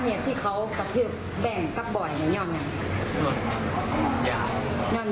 เรื่องของมัน